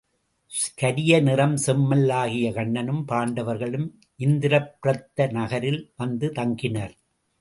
கரிய நிறச்செம்மல் ஆகிய கண்ணனும் பாண்டவர்களும் இந்திரப்பிரத்த நகரில் வந்து தங்கினர்.